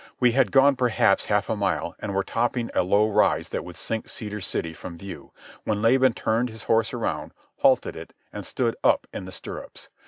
We had gone perhaps half a mile, and were topping a low rise that would sink Cedar City from view, when Laban turned his horse around, halted it, and stood up in the stirrups.